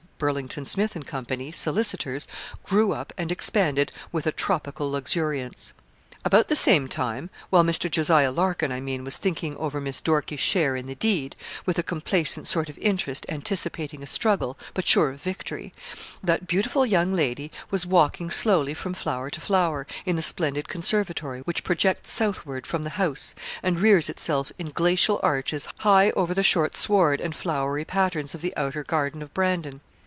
Burlington, Smith, and Co., solicitors, grew up and expanded with a tropical luxuriance. About the same time while Mr. Jos. Larkin, I mean, was thinking over Miss Dorkie's share in the deed, with a complacent sort of interest, anticipating a struggle, but sure of victory that beautiful young lady was walking slowly from flower to flower, in the splendid conservatory which projects southward from the house, and rears itself in glacial arches high over the short sward and flowery patterns of the outer garden of Brandon.